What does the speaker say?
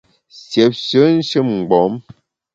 Siépshe nshin-mgbom !